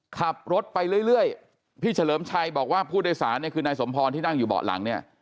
ขับรถไปเรื่อยพี่เฉลิมชัยบอกว่าผู้โดยสารเนี่ยคือนายสมพรที่นั่งอยู่เบาะหลังเนี่ย